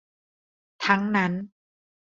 ทั้งนั้น